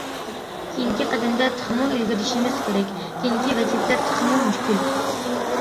كېيىنكى قەدەمدە تېخىمۇ ئىلگىرىلىشىمىز كېرەك، كېيىنكى ۋەزىپىلەر تېخىمۇ مۈشكۈل.